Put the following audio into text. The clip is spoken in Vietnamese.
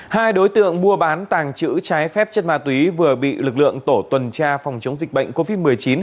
hai đối tượng mua bán tàng trữ trái phép chất ma túy vừa bị lực lượng tổ tuần tra phòng chống dịch bệnh covid một mươi chín